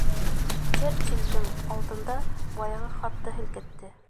Черчиллдең алдында баяғы хатты һелкетте.